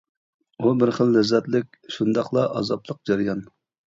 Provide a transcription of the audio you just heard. ئۇ بىر خىل لەززەتلىك شۇنداقلا ئازابلىق جەريان.